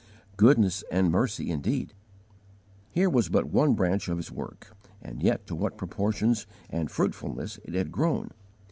Goodness and mercy indeed! Here was but one branch of his work, and yet to what proportions and fruitfulness it had grown!